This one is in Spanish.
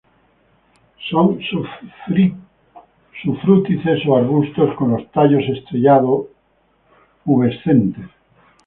Son sufrútices o arbustos; con los tallos estrellado-pubescentes.